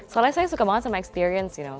soalnya saya suka banget sama experience you know